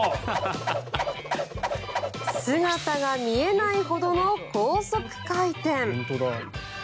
姿が見えないほどの高速回転。